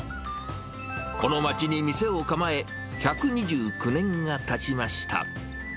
この町に店を構え１２９年がたちました。